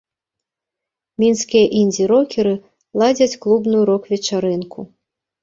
Мінскія індзі-рокеры ладзяць клубную рок-вечарынку.